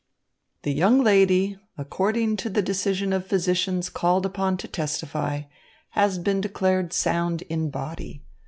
"The young lady, according to the decision of physicians called upon to testify, has been declared sound in body.